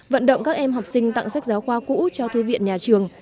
vận động các em học sinh tặng sách giáo khoa cũ cho thư viện nhà trường